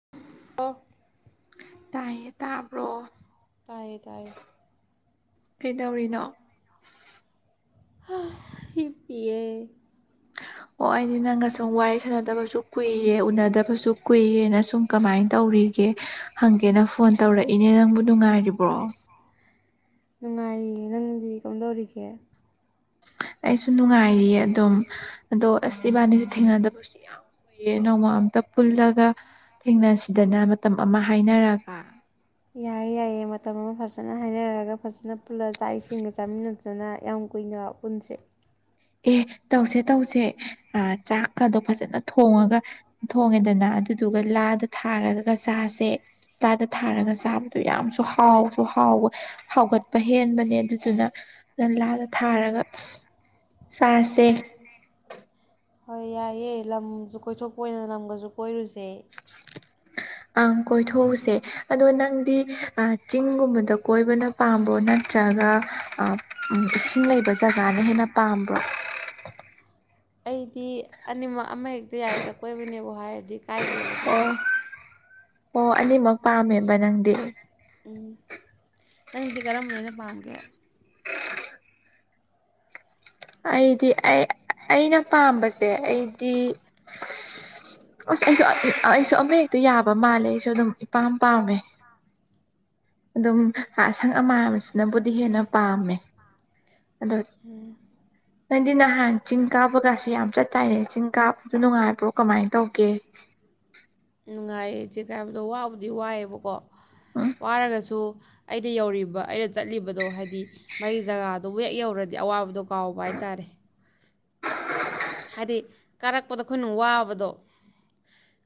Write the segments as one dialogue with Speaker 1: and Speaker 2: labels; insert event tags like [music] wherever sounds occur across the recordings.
Speaker 1: [unintelligible]
Speaker 2: ꯇꯥꯏꯌꯦ ꯇꯥꯕ꯭ꯔꯣ
Speaker 1: ꯇꯥꯏꯌꯦ ꯇꯥꯏꯌꯦ
Speaker 2: ꯀꯩꯗꯧꯔꯤꯅꯣ
Speaker 1: ꯍꯥ ꯍꯤꯞꯄꯤꯌꯦ
Speaker 2: ꯑꯣ ꯑꯩꯗꯤ ꯅꯪꯒ ꯁꯨꯝ ꯋꯥꯔꯤ ꯁꯥꯟꯅꯗꯕꯁꯨ ꯀꯨꯏꯔꯦ ꯎꯅꯗꯕꯁꯨ ꯀꯨꯏꯔꯦꯅ ꯁꯨꯝ ꯀꯃꯥꯏꯅ ꯇꯧꯔꯤꯒꯦ ꯍꯪꯒꯦꯅ ꯐꯣꯟ ꯇꯧꯔꯛꯏꯅꯦ ꯅꯪꯕꯨ ꯅꯨꯡꯉꯥꯏꯔꯤꯕꫭ
Speaker 1: ꯅꯨꯡꯉꯥꯏꯔꯤꯌꯦ ꯅꯪꯗꯤ ꯀꯝ ꯗꯧꯔꯤꯒꯦ
Speaker 2: ꯑꯩꯁꯨ ꯅꯨꯡꯉꯥꯏꯔꯤꯌꯦ ꯑꯗꯨꯝ ꯑꯗꯣ ꯑꯁ ꯏꯕꯥꯅꯤꯁꯦ ꯊꯦꯡꯅꯗꯕꯁꯨ ꯌꯥꯝ ꯀꯨꯏꯔꯦ ꯅꯣꯡꯃ ꯑꯝꯇ ꯄꯨꯜꯂꯒ ꯊꯦꯡꯅꯁꯤꯗꯅ ꯃꯇꯝ ꯑꯃ ꯍꯥꯏꯅꯔꯒ
Speaker 1: ꯌꯥꯏꯌꯦ ꯌꯥꯏꯌꯦ ꯃꯇꯝ ꯑꯃ ꯐꯖꯅ ꯍꯥꯏꯅꯔꯒ ꯐꯖꯅ ꯄꯨꯜꯂ ꯆꯥꯛ ꯏꯁꯤꯡꯈ ꯆꯃꯤꯟꯅ ꯐꯖꯅ ꯌꯥꯝ ꯀꯨꯏꯅ ꯄꯨꯟꯁꯦ
Speaker 2: ꯑꯦ ꯇꯧꯁꯦ ꯇꯧꯁꯦ ꯑ ꯆꯥꯛꯀꯗꯣ ꯐꯖꯅ ꯊꯣꯡꯉꯒ ꯊꯣꯡꯉꯦꯗꯅ ꯑꯗꯨꯗꯨꯒ ꯂꯥꯗ ꯊꯥꯔꯒ ꯆꯥꯁꯦ ꯂꯥꯗ ꯊꯥꯔꯒ ꯆꯥꯕꯗꯣ ꯌꯥꯝꯁꯨ
Speaker 1: ꯍꯣꯏ
Speaker 2: ꯍꯥꯎꯁꯨ ꯍꯥꯎꯕ ꯍꯥꯎꯒꯠꯄ ꯍꯦꯟꯕꯅꯦ ꯑꯗꯨꯗꯨꯅ ꯅꯂꯥꯗ ꯊꯥꯔꯒ ꯆꯥꯁꯦ
Speaker 1: ꯍꯣꯏ ꯌꯥꯏꯌꯦ ꯂꯝꯖꯨ ꯀꯣꯏꯊꯣꯛꯄ ꯑꯣꯏꯅ ꯂꯝꯒꯖꯨ ꯀꯣꯏꯔꯨꯖꯦ ꯇꯦ
Speaker 2: ꯑꯪ ꯀꯣꯏꯊꫭꯛꯎꯁꯦ ꯑꯗꯣ ꯅꯪꯗꯤ ꯑ ꯆꯤꯡꯒꯨꯝꯕꯗ ꯀꯣꯏꯕꯅ ꯄꯥꯝꯕ꯭ꯔꯣ ꯅꯠꯇ꯭ꯔꯒ ꯑ ꯏꯁꯤꯡ ꯂꯩꯕ ꯖꯒꯥꯅ ꯍꯦꯟꯅ ꯄꯥꯝꯕ꯭ꯔꯣ
Speaker 1: ꯑꯩꯗꯤ ꯑꯅꯤꯃꯛ ꯑꯃꯍꯦꯛꯇ ꯌꯥꯏꯔꯦꯗ ꯀꯣꯏꯕꯅꯦꯕ ꯍꯥꯏꯔꯗꯤ ꯀꯥꯏꯗꯦꯕꯗꯣ
Speaker 2: ꯑꯣ ꯑꯣ ꯑꯅꯤꯃꯛ ꯄꯥꯝꯃꯦꯕ ꯅꯪꯗꯤ
Speaker 1: ꯎꯝ ꯅꯪꯗꯤ ꯀꯔꯝꯕꯅ ꯍꯦꯟꯅ ꯄꯥꯝꯒꯦ
Speaker 2: ꯑꯩꯗꯤ ꯑꯩ ꯑꯩꯅ ꯄꯥꯝꯕꯁꯦ ꯑꯩꯗꯤ ꯑꯁ ꯑꯩꯁꯨ ꯑꯩꯁꯨ ꯑꯃꯛ ꯍꯦꯛꯇ ꯌꯥꯕ ꯃꯥꯜꯂꯦ ꯑꯩꯁꯨ ꯑꯗꯨꯝ ꯏꯄꯥꯝ ꯄꯥꯝꯃꯦ ꯑꯗꯨꯝ ꯑꯁꯪ ꯑꯃꯥꯟꯁꯤꯅꯕꯨꯗꯤ ꯍꯦꯟꯅ ꯄꯥꯝꯃꯦ ꯑꯗꯣ ꯅꯪꯗꯤ ꯅꯍꯥꯟ ꯆꯤꯡ ꯀꯥꯕꯒꯁꯨ ꯌꯥꯝ ꯆꯠꯇ ꯇꯥꯏꯅꯦ ꯆꯤꯡ ꯀꯥꯕꯗꯨ ꯅꯨꯡꯉꯥꯏꯕ꯭ꯔꯣ ꯀꯃꯥꯏꯅ ꯇꯧꯒꯦ
Speaker 1: ꯆꯤꯡ ꯀꯥꯕꯗꫭ ꯋꯥꯕꯨꯗꯤ ꯋꯥꯏꯌꯦꯕꯀꯣ
Speaker 2: ꯎꯝ
Speaker 1: ꯋꯥꯔꯒꯁꯨ ꯑꯩꯗꯤ ꯌꯧꯔꯤꯕ ꯑꯩꯅ ꯆꯠꯂꯤꯕꯗꯣ ꯍꯥꯏꯗꯤ ꯃꯥꯒꯤ ꯖꯒꯥꯗꯣ ꯍꯦꯛ ꯌꯧꯔꯗꯤ ꯑꯋꯥꯕꯗꯣ ꯀꯥꯎꯕ ꯍꯥꯏ ꯇꯥꯔꯦ ꯍꯥꯏꯗꯤ ꯀꯥꯔꯛꯄꯗ ꯑꯩꯈꯣꯏꯅ ꯋꯥꯕꯗꯣ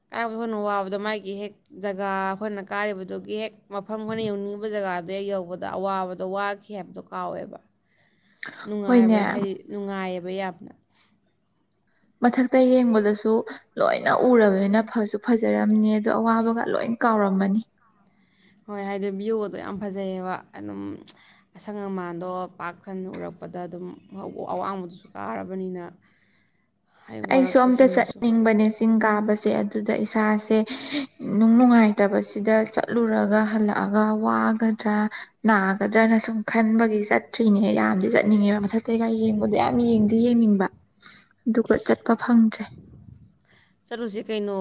Speaker 1: ꯀꯥꯔꯛꯄꯗ ꯑꯩꯈꯣꯏꯅ ꯋꯥꯕꯗꯣ ꯃꯥꯒꯤ ꯍꯦꯛ ꯖꯒꯥ ꯑꯩꯈꯣꯏꯅ ꯀꯥꯔꯤꯕꯗꯨꯒꯤ ꯍꯦꯛ ꯃꯐꯝ ꯑꯩꯈꯣꯏꯅ ꯌꯧꯅꯤꯡꯉꯤꯕ ꯖꯒꯥꯗꯨ ꯍꯦꯛ ꯌꯧꯕꯗ ꯑꯋꯥꯕꯗꯣ ꯋꯥꯈꯤ ꯍꯥꯏꯕꯗꯣ ꯀꯥꯎꯋꯦꯕ
Speaker 2: ꯍꯣꯏꯅꯦ
Speaker 1: ꯅꯨꯡꯉꯥꯏꯕ ꯍꯥꯏꯗꯤ ꯅꯨꯡꯉꯥꯏꯌꯦꯕ ꯌꯥꯝ [unintelligible]
Speaker 2: ꯃꯊꯛꯇ ꯌꯦꯡꯕꯗꯁꯨ ꯂꯣꯏꯅ ꯎꯔꯕꯅꯤꯅ ꯐꯁꯨ ꯐꯖꯔꯝꯅꯤ ꯑꯗꯣ ꯑꯋꯥꯕꯒ ꯂꯣꯏ ꯀꯥꯎꯔꯝꯃꯅꯤ
Speaker 1: ꯍꯣꯏ ꯍꯥꯏꯗꯤ ꯕꯤ꯭ꯌꯨꯒꯗꯣ ꯌꯥꯝ ꯐꯖꯩꯑꯕ ꯑꯗꯨꯝ ꯍꯥꯏ
Speaker 2: ꯑꯩꯁꯨ ꯑꯝꯇ
Speaker 1: ꯋꯥꯔꯛꯄꯁꯤꯡꯗꯨꯁꯨ
Speaker 2: ꯆꯠꯅꯤꯡꯕꯅꯦ ꯆꯤꯡ ꯀꯥꯕꯁꯦ ꯆꯦ ꯑꯗꯨꯗ ꯏꯁꯥꯁꯦ ꯅꯨꯡ ꯅꯨꯡꯉꯥꯏꯇꯕꯁꯤꯗ ꯆꯠꯂꯨꯔꯒ ꯍꯜꯂꯛꯑꯒ ꯋꯥꯒꯗ꯭ꯔꯥ ꯅꯥꯒꯗ꯭ꯔꯅ ꯁꯨꯝ ꯈꯟꯕꯒꯤ ꯆꯠꯇ꯭ꯔꯤꯅꯦ ꯌꯥꯝꯗꯤ ꯆꯠꯅꯤꯡꯉꯦꯕ ꯃꯊꯛꯇꯩꯒ ꯌꯦꯡꯕꯗꯣ ꯌꯥꯝ ꯌꯦꯡꯗꯤ ꯌꯦꯡꯅꯤꯡꯕ ꯑꯗꯨꯒ ꯆꯠꯄ ꯐꯪꯗ꯭ꯔꯦ
Speaker 1: ꯆꯠꯂꯨꯁꯦ ꯀꯩꯅꯣ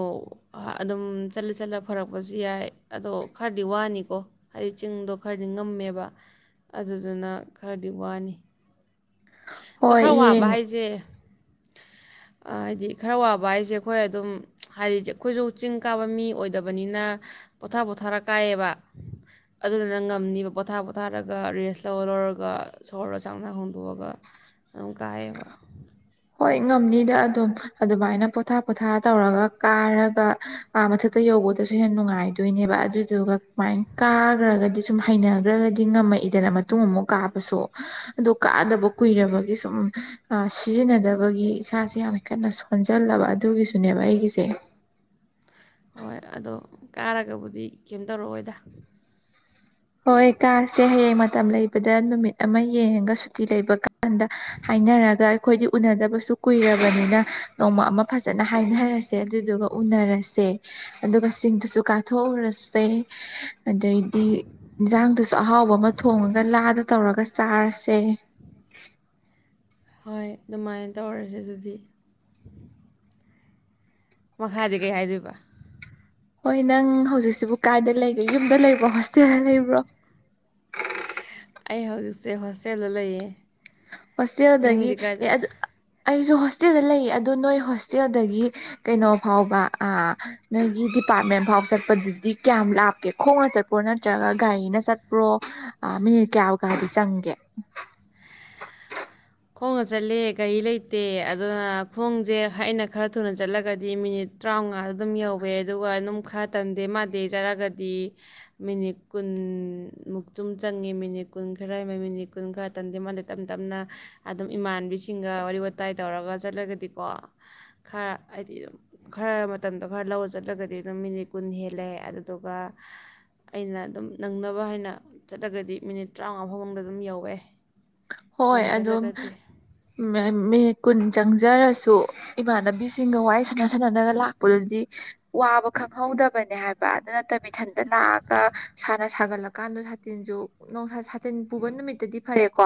Speaker 1: ꯑꯗꯨꯝ ꯆꯠꯂ ꯆꯠꯂ ꯐꯔꯛꯄꯁꯨ ꯌꯥꯏ ꯑꯗꯣ ꯈꯔꯗꯤ ꯋꯥꯅꯤꯀꯣ ꯍꯥꯏꯗꯤ ꯆꯤꯡꯗꯣ ꯈꯔꯗꯤ ꯉꯝꯃꯦ ꯑꯗꯣ
Speaker 2: ꯍꯣꯏ
Speaker 1: ꯈꯔ ꯋꯥꯕ
Speaker 2: ꯌꯦꯡ
Speaker 1: ꯍꯥꯏꯁꯦ ꯍꯥꯏꯗꯤ ꯈꯔ ꯋꯥꯕ ꯍꯥꯏꯁꯦ ꯑꯩꯈꯣꯏ ꯑꯗꯨꯝ ꯍꯥꯏꯗꯤ ꯑꯩꯈꯣꯏꯁꯨ ꯆꯤꯡ ꯀꯥꯕ ꯃꯤ ꯑꯣꯏꯗꯕꯅꯤꯅ ꯄꯣꯊꯥ ꯄꯣꯊꯥꯔ ꯀꯥꯏꯌꯦꯕ ꯑꯗꯨꯗꯨꯅ ꯉꯝꯅꯤꯕ ꯄꯣꯊꯥ ꯄꯣꯊꯥꯔꯒ ꯔꯦꯁ ꯂꯧꯔ ꯂꯧꯔꯒ ꯁꯣꯍꯣꯔꯒ ꯁꯥꯡꯅꯥ ꯁꯥꯡꯅꯥ ꯍꯣꯡꯗꯣꯛꯑꯒ ꯗꯨꯝ ꯀꯥꯌꯦꯕ
Speaker 2: ꯍꯣꯏ ꯉꯝꯅꯤꯗ ꯑꯗꯨꯝ ꯑꯗꯨꯃꯥꯏꯅ ꯄꯣꯊꯥ ꯄꯣꯊꯥ ꯇꯧꯔꯒ ꯀꯥꯔꯒ ꯑ ꯃꯊꯛꯇ ꯌꯧꯕꯗꯁꯨ ꯍꯦꯟꯅ ꯅꯨꯡꯉꯥꯏꯗꯣꯏꯅꯦꯕ ꯑꯗꯨꯗꯨꯒ ꯃꯥꯏ ꯀꯥꯈ꯭ꯔꯒꯗꯤ ꯁꯨꯝ ꯍꯩꯅꯈ꯭ꯔꯒꯗꯤ ꯉꯝꯃꯛ ꯏꯗꯅ ꯃꯇꯨꯡ ꯑꯃꯨꯛ ꯀꯥꯕꯁꯨ ꯑꯗꯨ ꯀꯥꯗꯕ ꯀꯨꯏꯔꯕꯒꯤ ꯁꯨꯝ ꯑ ꯁꯤꯖꯤꯟꯅꯗꯕꯒꯤ ꯏꯁꯥꯁꯦ ꯌꯥꯝ ꯀꯟꯅ ꯁꯣꯟꯖꯜꯂꯕ ꯑꯗꯨꯒꯤꯁꯨꯅꯦꯕ ꯑꯩꯒꯤꯁꯦ
Speaker 1: ꯍꯣꯏ ꯑꯗꯣ ꯀꯥꯔꯒꯕꯨꯗꯤ ꯀꯩꯝ ꯇꯧꯔꯛꯑꯣꯏꯗ
Speaker 2: ꯍꯣꯏ ꯀꯥꯁꯦ ꯍꯌꯦꯡ ꯃꯇꯝ ꯂꯩꯕꯗ ꯅꯨꯃꯤꯠ ꯑꯃ ꯌꯦꯡꯉꯒ ꯁꯨꯇꯤ ꯂꯩꯕ ꯀꯥꯟꯗ ꯍꯥꯏꯅꯔꯒ ꯑꯩꯈꯣꯏꯗꯤ ꯎꯅꯗꯕꯁꯨ ꯀꯨꯏꯔꯕꯅꯤꯅ ꯅꯣꯡꯃ ꯑꯃ ꯐꯖꯟꯅ ꯍꯥꯏꯅꯔꯁꯦ ꯑꯗꯨꯗꯨꯒ ꯎꯅꯔꯁꯦ ꯑꯗꯨꯒ ꯆꯤꯡꯗꯨꯁꯨ ꯀꯥꯊꯣꯛꯎꯔꯁꯦ ꯑꯗꯩꯗꯤ ꯏꯟꯁꯥꯡꯗꯨꯁꯨ ꯑꯍꯥꯎꯕ ꯑꯃ ꯊꯣꯡꯉꯒ ꯂꯥꯗ ꯇꯧꯔꯒ ꯆꯥꯔꯁꯦ
Speaker 1: ꯍꯣꯏ ꯑꯗꯨꯃꯥꯏꯅ ꯇꯧꯔꯁꯦ ꯑꯗꯨꯗꯤ ꯃꯈꯥꯗꯤ ꯀꯩ ꯍꯥꯏꯗꯣꯏꯕ
Speaker 2: ꯍꯣꯏ ꯅꯪ ꯍꯧꯖꯤꯛꯁꯤꯕꯨ ꯀꯥꯏꯗ ꯂꯩꯒꯦ ꯌꯨꯝꯗ ꯂꯩꯕ꯭ꯔꯣ ꯍꯣꯁꯇꯦꯜꯗ ꯂꯩꯕ꯭ꯔꯣ
Speaker 1: ꯑꯩ ꯍꯧꯖꯤꯛꯁꯦ ꯍꯣꯁꯇꯦꯜꯗ ꯂꯩꯌꯦ
Speaker 2: ꯍꯣꯁꯇꯦꯜꯗꯒꯤ
Speaker 1: ꯅꯪꯗꯤ
Speaker 2: ꯑꯦ
Speaker 1: ꯀꯥꯏꯗ
Speaker 2: ꯑꯗꯨ ꯑꯩꯁꯨ ꯍꯣꯁꯇꯦꯜꯗ ꯂꯩꯌꯦ ꯑꯗꯣ ꯅꯣꯏ ꯍꯣꯁꯇꯦꯜꯗꯒꯤ ꯀꯩꯅꯣ ꯐꯥꯎꯕ ꯑ ꯅꯣꯏꯒꯤ ꯗꯤꯄꯥꯔꯠꯃꯦꯟ ꯐꯥꯎ ꯆꯠꯄꯗꯨꯗꯤ ꯀꯌꯥꯝ ꯂꯥꯞꯀꯦ ꯈꯣꯡꯅ ꯆꯠꯄ꯭ꯔꯣ ꯅꯠꯇ꯭ꯔꯒ ꯒꯥꯔꯤꯅ ꯆꯠꯄ꯭ꯔꯣ ꯑ ꯃꯤꯅꯤꯠ ꯀꯌꯥꯎꯒꯥꯗꯤ ꯆꯪꯒꯦ
Speaker 1: ꯈꯣꯡꯒ ꯆꯠꯂꯦ ꯒꯔꯤ ꯂꯩꯇꯦ ꯑꯗꯨꯅ ꯈꯣꯡꯁꯦ ꯑꯩꯅ ꯈꯔ ꯊꯨꯅ ꯆꯠꯂꯒꯗꯤ ꯃꯤꯅꯤꯠ ꯇ꯭ꯔꯥꯎꯉꯥꯗ ꯑꯗꯨꯝ ꯌꯧꯋꯦ ꯑꯗꯨꯒ ꯑꯗꯨꯝ ꯈꯔ ꯇꯟꯗꯦ ꯃꯥꯥꯟꯗꯦ ꯆꯠꯂꯒꯗꯤ ꯃꯤꯅꯤꯠ ꯀꯨꯟꯃꯨꯛꯇꯨꯝ ꯆꯪꯉꯦ ꯃꯤꯅꯤꯠ ꯀꯨꯟ ꯈꯔ ꯂꯩ ꯃꯤꯅꯤꯠ ꯀꯨꯟ ꯈꯔ ꯇꯟꯗꯦ ꯃꯥꯥꯟꯗꯦ ꯇꯞꯅ ꯇꯞꯅ ꯑꯗꯨꯝ ꯏꯃꯥꯟꯕꯤꯁꯤꯡꯒ ꯋꯥꯔꯤ ꯋꯥꯇꯥꯏ ꯇꯧꯔꯒ ꯆꯠꯂꯒꯗꯤꯀꯣ ꯈꯔ ꯍꯥꯏꯗꯤ ꯈꯔ ꯃꯇꯝꯗꯣ ꯈꯔ ꯂꯧꯔ ꯆꯠꯂꯒꯗꯤ ꯑꯗꯨꯝ ꯃꯤꯅꯤꯠ ꯀꯨꯟ ꯍꯦꯜꯂꯦ ꯑꯗꯨꯗꯨꯒ ꯑꯩꯅ ꯑꯗꯨꯝ ꯅꯪꯅꯕ ꯍꯥꯏꯅ ꯆꯠꯂꯒꯗꯤ ꯃꯤꯅꯤꯠ ꯇ꯭ꯔꯥꯎꯉꯥ ꯐꯥꯎ ꯃꯅꯨꯡꯗ ꯑꯗꯨꯝ ꯌꯧꯋꯦ
Speaker 2: ꯍꯣꯏ
Speaker 1: ꯊꯨꯅ
Speaker 2: ꯑꯗꯨꯝ
Speaker 1: ꯆꯠꯂꯒꯗꯤ
Speaker 2: ꯃꯦ ꯃꯤꯅꯤꯠ ꯀꯨꯟ ꯆꯪꯖꯔꯁꯨ ꯏꯃꯥꯟꯅꯕꯤꯁꯤꯡꯒ ꯋꯥꯔꯤ ꯁꯥꯟꯅ ꯁꯥꯟꯅꯅꯒ ꯂꯥꯛ ꯀꯣ ꯑꯩꯈꯣꯏ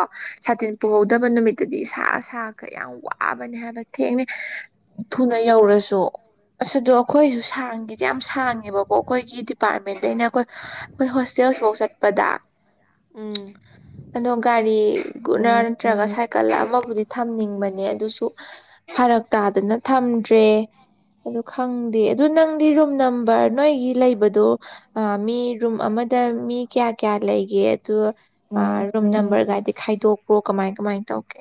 Speaker 2: ꯑꯩꯈꯣꯏ ꯍꯣꯁꯇꯦꯜꯁꯤ ꯐꯧ ꯆꯠꯄꯗ
Speaker 1: ꯎꯝ
Speaker 2: ꯑꯗꯣ ꯒꯥꯔꯤ ꯒꯨꯅ ꯅꯠꯇ꯭ꯔꯒ ꯁꯥꯏꯀꯜ ꯑꯃꯕꯨꯗꯤ ꯊꯝꯅꯤꯡꯕꯅꯤ ꯅꯦ ꯑꯗꯨꯁꯨ ꯐꯔꯛ ꯇꯥꯗꯅ ꯊꯝꯗ꯭ꯔꯦ ꯑꯗꯨ ꯈꯪꯗꯦ ꯑꯗꯨ ꯅꯪꯗꯤ ꯔꯨ ꯔꯨꯝ ꯅꯝꯕꯔ ꯅꯣꯏꯒꯤ ꯂꯩꯕꯗꯣ ꯃꯤ ꯔꯨꯝ ꯑꯃꯗ ꯃꯤ ꯀꯌꯥ ꯀꯌꯥ ꯂꯩꯒꯦ ꯨꯇꯨ ꯑ ꯔꯨꯝ ꯅꯝꯕꯔꯒꯥꯏꯗꯤ ꯈꯥꯏꯗꯣꯛ ꯑꯣ ꯀꯃꯥꯏ ꯀꯃꯥꯏ ꯇꯧꯀꯦ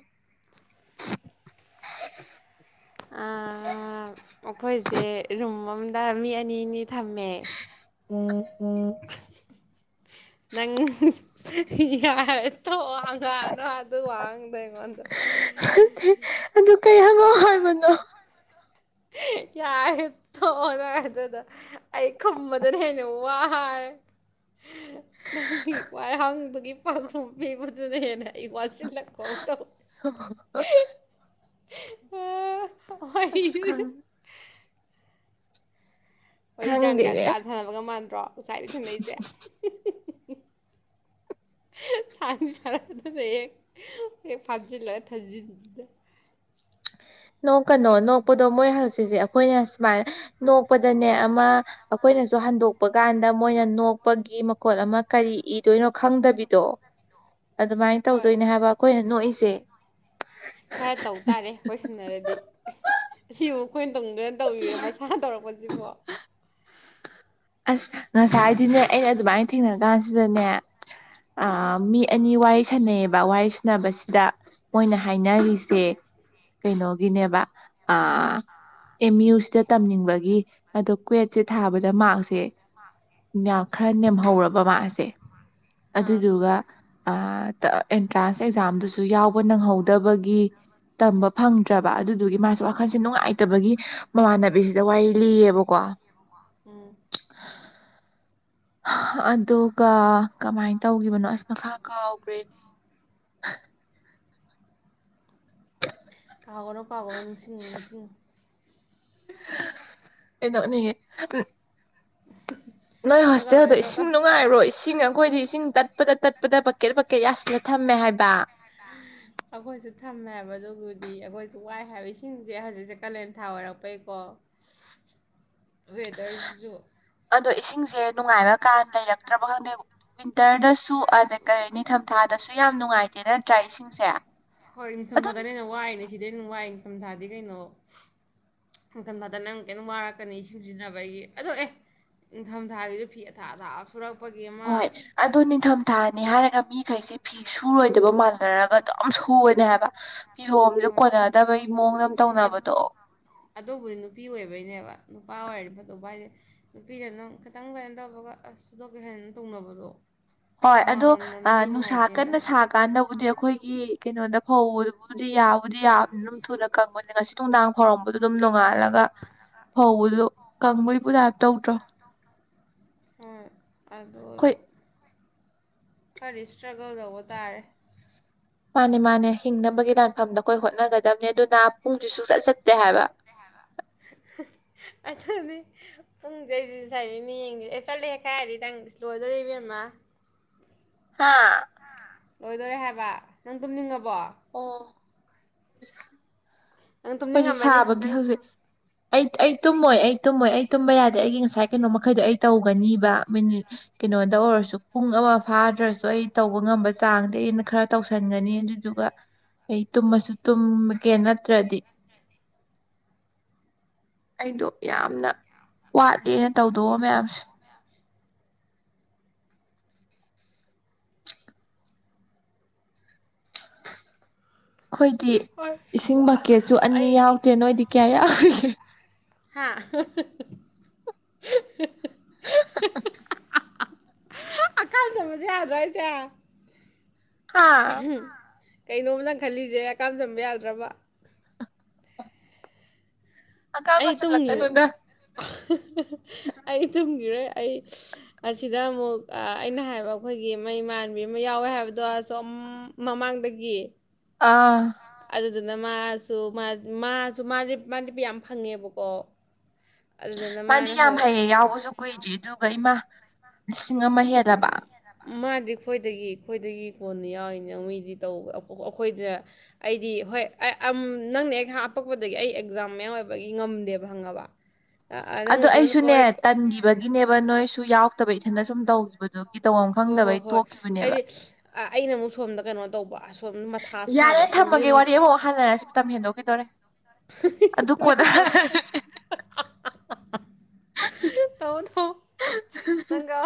Speaker 1: ꯑꯥꯑꯥ ꯑꯈꯣꯏꯁꯦ ꯔꯨꯝ ꯑꯃꯗ ꯃꯤ ꯑꯅꯤꯅꯤ ꯊꯝꯃꯦ ꯅꯪ ꯌꯥꯔꯦ ꯇꯣꯛꯑꯣ ꯍꯪꯉꯛꯑꯅꯣ ꯑꯗꯨ ꯋꯥꯍꯪꯗꯣ ꯑꯩꯉꯣꯟꯗ
Speaker 2: ꯑꯗꯨ ꯀꯩ ꯍꯪꯉꯣ ꯍꯥꯏꯕꯅꯣ
Speaker 1: ꯌꯥꯔꯦ ꯊꯣꯛꯑꯣꯅ ꯑꯗꯨꯗ ꯑꯩ ꯈꯨꯝꯕꯗꯅ ꯍꯦꯟꯅ ꯋꯥꯔꯦ ꯅꯪꯒꯤ ꯋꯥꯏꯍꯪꯗꯨꯒꯤ ꯄꯥꯈꯨꯝ ꯄꯤꯕꯗꯨꯅ ꯍꯦꯟꯅ ꯑꯩ ꯋꯥꯁꯤꯜ [inaudible] ꯇꯧ ꯍꯣꯏ
Speaker 2: ꯑꯁ ꯈꯪ
Speaker 1: ꯋꯥꯔꯤ ꯆꯥꯡ ꯒ꯭ꯌꯥꯟ
Speaker 2: ꯈꯪꯗꯦꯅꯦ
Speaker 1: ꯇꯥ ꯁꯥꯟꯅꯕꯒ ꯃꯥꯟꯗ꯭ꯔꯣ ꯉꯁꯥꯏꯗꯩ ꯁꯅꯩꯁꯦ ꯁꯥꯟꯗꯤ ꯁꯥꯟꯅꯗꯅ ꯍꯦꯛ ꯍꯦꯛ ꯐꯥꯁꯤꯜꯂ ꯊꯖꯤꯟꯁꯤꯗ
Speaker 2: ꯅꯣꯛꯀꯅꯣ ꯅꯣꯛꯄꯗꯣ ꯃꯣꯏ ꯍꯧꯆꯛꯁꯦ ꯑꯩꯈꯣꯏꯅ ꯁꯨꯃꯥꯏꯅ ꯅꯣꯛꯄꯗꯅꯦ ꯑꯃ ꯑꯩꯈꯣꯏꯅꯁꯨ ꯍꯟꯗꯣꯛꯄ ꯀꯥꯟꯗ ꯃꯣꯏꯅ ꯅꯣꯛꯄꯒꯤ ꯃꯈꯣꯠ ꯑꯃ ꯀꯔꯤ ꯏꯗꯣꯏꯅꯣ ꯈꯪꯗꯕꯤꯗꯣ ꯑꯗꯨꯃꯥꯏꯅ
Speaker 1: ꯍꯣꯏ
Speaker 2: ꯇꯧꯗꯣꯏꯅꯦ ꯍꯥꯏꯕ ꯑꯩꯈꯣꯏꯅ ꯅꯣꯛꯏꯁꯦ
Speaker 1: ꯀꯣꯏꯁꯤꯟꯅꯔꯗꯤ ꯑꯁꯤ ꯑꯩꯈꯣꯏꯅ ꯇꯧꯅꯤꯡꯗꯅ ꯇꯧꯔꯤꯔꯣ ꯃꯁꯥ ꯇꯧꯔꯛꯄꯁꯤꯕꯣ
Speaker 2: ꯑꯁ ꯉꯁꯥꯏꯗꯤꯅꯦ ꯑꯩꯅ ꯑꯗꯨꯃꯥꯏꯅ ꯊꯦꯡꯅ ꯀꯥꯟꯁꯤꯗꯅꯦ ꯑ ꯃꯤ ꯑꯅꯤ ꯋꯥꯔꯤ ꯁꯥꯟꯅꯩ ꯌꯦꯕ ꯋꯥꯔꯤ ꯁꯥꯟꯅꯕꯁꯤꯗ ꯃꯣꯏꯅ ꯍꯥꯏꯅꯔꯤꯁꯦ ꯀꯩꯅꯣꯒꯤꯅꯦꯕ ꯑ ꯑꯦꯝ ꯌꯨ ꯁꯤꯗ ꯇꯝꯅꯤꯡꯕꯒꯤ ꯑꯗꯣ ꯀ꯭ꯨꯋꯦꯠꯁꯦ ꯊꯥꯕꯗ ꯃꯥ꯭ꯔꯛꯁ ꯁꯦ ꯌꯥꯝ ꯈꯔ ꯅꯦꯝꯍꯧꯔꯕ ꯃꯥꯁꯦ
Speaker 1: ꯑꯥ
Speaker 2: ꯑꯗꯨꯗꯨꯒ ꯑ ꯇ ꯑꯦꯟꯇ꯭ꯔꯥꯟꯁ ꯑꯦꯛꯖꯥꯝꯗꯨꯁꯨ ꯌꯥꯎ ꯅꯪꯍꯧꯗꯕꯒꯤ ꯇꯝꯕ ꯐꯪꯗ꯭ꯔꯕ ꯑꯗꯨꯗꯨꯒꯤ ꯃꯥꯁꯦ ꯋꯥꯈꯜꯁꯦ ꯅꯨꯡꯉꯥꯏꯇꯕꯒꯤ ꯃꯃꯥꯟꯅꯕꯤꯁꯤꯗ ꯋꯥꯔꯤ ꯂꯤꯌꯦꯕꯀꯣ
Speaker 1: ꯎꯝ
Speaker 2: [inaudible] ꯑꯗꯨꯒ ꯀꯃꯥꯏꯅ ꯇꯧꯈꯤꯕꯅꯣ ꯑꯁ ꯃꯈꯥ ꯀꯥꯎꯈ꯭ꯔꯦꯅꯦ
Speaker 1: ꯀꯥꯎꯒꯅꯣ ꯀꯥꯎꯒꯅꯣ ꯅꯤꯡꯁꯤꯡꯉꯣ ꯅꯤꯡꯁꯤꯡꯉꯣ
Speaker 2: ꯑꯩꯅꯣꯛꯅꯤꯡ ꯉꯦ ꯅꯣꯏ ꯍꯣꯁꯇꯦꯜꯗꯣ
Speaker 1: ꯅꯣꯛꯀꯅꯨꯅꯦ
Speaker 2: ꯏꯁꯤꯡ
Speaker 1: ꯅꯣꯛꯀꯅꯨ
Speaker 2: ꯅꯨꯡꯉꯥꯏꯕ꯭ꯔꯣ ꯏꯁꯤꯡ ꯑꯩꯈꯣꯏꯗꯤ ꯏꯁꯤꯡ ꯇꯠꯄꯗ ꯇꯠꯄꯗ ꯕꯀꯦꯠ ꯕꯀꯦꯠ ꯌꯥꯁꯤꯟꯂ ꯊꯝꯃꯦ ꯍꯥꯏꯕ
Speaker 1: ꯑꯩꯈꯣꯏꯁꯨ ꯊꯝꯃꯦ ꯍꯥꯏꯕ ꯑꯗꯨꯒꯤꯗꯤ ꯑꯩꯈꯣꯏꯁꯨ ꯋꯥꯏ ꯍꯥꯏꯕ ꯏꯁꯤꯡꯁꯦ ꯍꯧꯖꯤꯛꯁꯦ ꯀꯥꯂꯦꯟ ꯊꯥ ꯑꯣꯏꯔꯛꯄꯩꯀꯣ ꯋꯦꯗꯔꯁꯤꯁꯨ
Speaker 2: ꯑꯗꯣ ꯏꯁꯤꯡꯁꯦ ꯅꯨꯡꯉꯥꯏꯕ ꯀꯥꯟ ꯂꯩꯔꯛꯇ꯭ꯔꯕ ꯈꯪꯗꯦ ꯎꯝ ꯋꯤꯟꯇꯔꯗꯁꯨ ꯑꯗ ꯀꯔꯤ ꯅꯤꯡꯊꯝꯊꯥꯗꯁꯨ ꯌꯥ ꯌꯥꯝ ꯅꯨꯡꯉꯥꯏꯇꯦ ꯅꯠꯇ꯭ꯔꯥ ꯏꯁꯤꯡꯁꯦ
Speaker 1: ꯍꯣꯏ ꯅꯤꯡꯊꯝ
Speaker 2: ꯑꯗꯨ
Speaker 1: ꯊꯥꯗꯅ ꯍꯦꯟꯅ ꯋꯥꯏꯅꯦ ꯁꯤꯗꯩ ꯍꯦꯟꯅ ꯋꯥꯏꯅꯦ ꯅꯤꯡꯊꯝꯊꯥꯗꯤ ꯀꯩꯅꯣ ꯅꯤꯡꯊꯝꯊꯥꯗ ꯅꯪ ꯀꯩꯅꯣꯝ ꯋꯥꯔꯛꯀꯅꯤ ꯁꯤꯖꯤꯟꯅꯕꯒꯤ ꯑꯗꯣ ꯑꯦ ꯅꯤꯡꯊꯝꯊꯥꯒꯤꯁꯨ ꯐꯤ ꯑꯊꯥ ꯑꯊꯥ ꯑ
Speaker 2: ꯍꯣꯏ ꯑꯗꯨ ꯅꯤꯡꯊꯝ ꯊꯥꯅꯤ ꯍꯥꯏꯔꯒ ꯃꯤꯈꯩꯁꯦ ꯐꯤ ꯁꯨꯔꯣꯏꯗꯕ ꯃꯥꯥꯟꯅꯔꯒ ꯑꯗꯨꯝ ꯁꯨꯅꯦ ꯍꯥꯏꯕ꯫ [unintelligible]
Speaker 1: ꯍꯣꯏ
Speaker 2: ꯀꯣꯟꯅꯗꯕꯒꯤ ꯃꯑꯣꯡꯗ ꯇꯧꯅꯕꯗꯣ꯫
Speaker 1: ꯑꯗꯨꯕꯨꯗꯤ ꯅꯨꯄꯤ ꯑꯣꯏꯕꯩꯅꯦꯕ ꯅꯨꯄꯥ ꯑꯣꯏꯔꯗꯤ ꯐꯗꯧꯕ ꯍꯥꯏꯗꯤ ꯅꯨꯄꯤꯅ ꯑꯗꯨꯝ ꯈꯤꯇꯪ ꯀꯩꯅꯣ ꯇꯧꯕꯒ ꯑꯁ ꯁꯨꯗꯣꯛꯀꯦ ꯍꯦꯇꯧꯅꯕꯗꯣ꯫
Speaker 2: ꯍꯣꯏ ꯑꯗꯣ ꯅꯨꯡꯁꯥ ꯀꯟꯅ
Speaker 1: ꯇꯧꯕꯗꯣ
Speaker 2: ꯁꯥꯀꯥꯟꯗꯕꯨꯗꯤ ꯑꯩꯈꯣꯏꯒꯤ ꯀꯩꯅꯣꯗ ꯐꯧ ꯐꯕꯨꯗꯤ ꯌꯥꯕꯨꯗꯤ ꯌꯥꯕꯅꯤ ꯑꯗꯨꯝ ꯊꯨꯅ ꯀꯪꯕꯅꯤ ꯉꯁꯤ ꯅꯨꯡꯗꯥꯡ ꯐꯥꯎꯔꯝꯕꯗꯨ ꯑꯗꯨꯝ ꯅꯣꯡꯉꯥꯜꯂꯒ ꯐꯧꯕꯗꯨ ꯀꯪꯕꯒꯤ ꯄꯨꯖꯥ ꯇꯧꯗ꯭ꯔꯣ꯫
Speaker 1: ꯍꯣꯏ꯫
Speaker 2: ꯑꯩꯈꯣꯏ
Speaker 1: [unintelligible] ꯈꯔ ꯏꯁꯇ꯭ꯔꯒꯜ ꯇꯧꯕ ꯇꯥꯔꯦ꯫
Speaker 2: ꯃꯥꯅꯦ - ꯃꯥꯅꯦ ꯍꯤꯡꯅꯕꯒꯤ ꯂꯥꯟꯐꯝꯗ ꯑꯩꯈꯣꯏ ꯍꯣꯏ [unintelligible] ꯑꯗꯨꯅꯥ ꯄꯨꯡꯁꯨ ꯁꯨꯡꯆꯠ ꯆꯠꯇꯦ ꯍꯥꯏꯕ꯫
Speaker 1: ꯑꯗꯨꯗꯤ ꯄꯨꯡꯗ ꯑꯩꯁꯤ ꯁꯨꯥꯏꯗꯒꯤꯅꯦ ꯌꯦꯡꯒ ꯑꯦ ꯆꯠꯂꯦ ꯈꯥꯏꯔꯗꯤ ꯅꯪ ꯏꯁ ꯂꯣꯏꯗꯣꯔꯦ ꯏꯕꯦꯝꯃ ꯫
Speaker 2: ꯍꯥꯥ?
Speaker 1: ꯂꯣꯏꯗꯣꯏꯣꯔꯦ ꯍꯥꯏꯕ ꯅꯪ ꯇꯨꯝꯅꯤꯡꯉꯕꯣ?
Speaker 2: ꯑꯣ꯫
Speaker 1: ꯅꯪ
Speaker 2: ꯑꯩꯈꯣꯏꯖꯤ
Speaker 1: ꯇꯨꯝꯅꯤꯡꯉꯝꯃꯅꯤ
Speaker 2: ꯁꯥꯕꯒꯤ
Speaker 1: ꯅꯪ
Speaker 2: ꯍꯧꯖꯤꯛ ꯑꯩ ꯑꯩ ꯇꯨꯝꯃꯣꯏ ꯑꯩ ꯇꯨꯝꯃꯣꯏ ꯑꯩ ꯇꯨꯝꯕ ꯌꯥꯗꯦ ꯑꯩꯒꯤ ꯉꯁꯥꯏ ꯀꯩꯅꯣ ꯃꯈꯩꯗꯣ ꯑꯩ ꯇꯧꯒꯅꯤꯕ ꯃꯤꯅꯤꯠ ꯀꯩꯅꯣꯗ ꯑꯣꯏꯔꯁꯨ ꯄꯨꯡ ꯑꯃ ꯐꯥꯗ꯭ꯔꯁꯨ ꯑꯩ ꯇꯧꯕ ꯉꯝꯕ ꯆꯥꯡꯗꯤ ꯑꯩꯅ ꯈꯔ ꯇꯧꯁꯟꯒꯅꯤ ꯑꯗꯨꯗꯨꯒ ꯑꯩ ꯇꯨꯝꯃꯁꯨ ꯇꯨꯝꯒꯦ ꯅꯠꯇ꯭ꯔꯗꯤ ꯑꯩꯗꯣ ꯌꯥꯝꯅ ꯋꯥꯠꯂꯦꯅ ꯇꯧꯗꯣꯛꯑꯣ ꯃꯌꯥꯝꯁꯦ꯫ ꯑꯩꯈꯣꯏꯗꯤ ꯏꯁꯤꯡ ꯕꯛꯀꯦꯠꯁꯨ ꯑꯅꯤ
Speaker 1: ꯑꯩꯗꯤ
Speaker 2: ꯌꯥꯎꯗ꯭ꯔꯦ ꯅꯣꯏꯗꯤ ꯀꯌꯥ ꯌꯥꯎꯔꯤꯒꯦ?
Speaker 1: ꯍꯥꯥ? ꯍꯥꯀꯝ ꯆꯟꯕꯁꯦ ꯌꯥꯗ꯭ꯔꯥ ꯍꯥꯏꯁꯦ?
Speaker 2: ꯍꯥ
Speaker 1: ꯀꯩꯅꯣꯝ ꯅꯪ ꯈꯜꯂꯤꯁꯦ ꯍꯥꯀꯥꯝ ꯆꯟꯕ ꯌꯥꯗ꯭ꯔꯕ?
Speaker 2: ꯍꯥꯀꯥꯝꯒ
Speaker 1: ꯑꯩ
Speaker 2: ꯆꯜ
Speaker 1: ꯇꯨꯝꯒꯤꯔꯣ
Speaker 2: ꯂꯛꯀꯅꯨꯗ꯫
Speaker 1: [unintelligible] ꯑꯩ ꯇꯨꯝꯒꯤꯔꯣꯏ꯫ ꯑꯩ ꯑꯁꯤꯗ ꯑꯃꯨꯛ ꯑꯩꯅ ꯍꯥꯏꯕ ꯑꯩꯈꯣꯏꯒꯤ ꯃꯩꯃꯥꯟꯕꯤ ꯑꯃ ꯌꯥꯎꯋꯦ ꯍꯥꯏꯕꯗꯣ ꯑꯁꯣꯝ ꯃꯃꯥꯡꯗꯒꯤ
Speaker 2: ꯑꯥ꯫
Speaker 1: ꯑꯗꯨꯗꯨꯅ ꯃꯥꯁꯨ - ꯃꯥꯁꯨ ꯃꯥꯗꯤ ꯃꯥꯗꯤ ꯌꯥꯝ ꯐꯪꯉꯦꯕꯀꯣ꯫ ꯑꯗꯨꯗꯨꯅ
Speaker 2: ꯃꯥꯗꯤ
Speaker 1: ꯃꯥꯅ ꯍ
Speaker 2: ꯌꯥꯝ ꯍꯩꯌꯦ ꯌꯥꯎꯕꯁꯨ ꯀꯨꯏꯗ꯭ꯔꯤ ꯑꯗꯨꯒ ꯏꯃꯥ! ꯂꯤꯁꯤꯡ ꯑꯃ ꯍꯦꯜꯂꯕ!
Speaker 1: ꯃꯥꯗꯤ ꯑꯩꯈꯣꯏꯗꯒꯤ ꯑꯩꯈꯣꯏꯗꯒꯤ ꯀꯣꯟꯅ ꯌꯥꯎꯔꯤꯅꯦ ꯃꯤꯗꯤ ꯇꯧꯕ ꯑꯩꯈꯣꯏꯗ ꯑꯩꯗꯤ ꯍꯣꯏ ꯅꯪꯅ ꯑꯩ ꯍꯥꯞꯄꯛꯄꯗꯒꯤ ꯑꯩ ꯑꯦꯛꯖꯥꯝ ꯃꯌꯥꯝ ꯑꯣꯏꯕꯒꯤ ꯉꯝꯗꯦꯕ ꯈꯥꯪ꯫
Speaker 2: ꯑꯗꯣ ꯑꯩꯁꯨꯅꯦ ꯇꯟꯒꯤꯕꯒꯤꯅꯦꯕ ꯅꯣꯏꯁꯨ ꯌꯥꯎꯇꯥꯕꯩ꯫ [unintelligible] ꯁꯨꯝ ꯇꯧꯈꯤꯕꯗꯨꯣ ꯇꯧꯕꯝ
Speaker 1: ꯍꯣꯏ ꯍꯣꯏ
Speaker 2: ꯈꯪꯗꯕꯩ
Speaker 1: ꯍꯣꯏ
Speaker 2: ꯇꯣꯛꯈꯤꯕꯅꯦꯕ꯫
Speaker 1: ꯍꯥꯏꯗꯤ ꯑ- ꯑꯩꯅ ꯑꯃꯨꯛ ꯁꯣꯝꯗ ꯀꯩꯅꯣ ꯇꯧꯕ ꯑ
Speaker 2: ꯌꯥꯔꯦ ꯊꯝꯃꯒꯦ ꯋꯥꯔꯤ ꯑꯃꯨꯛ ꯍꯥꯟꯅꯔꯁꯤ ꯃꯇꯝ ꯍꯦꯟꯗꯣꯛꯈꯤꯗꯧꯔꯦ ꯑꯗꯨ ꯀꯣꯗ
Speaker 1: ꯇꯧ ꯇꯧ ꯇꯧ ꯅꯪꯒ